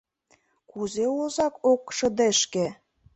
Кузе озак ок шыдешке?..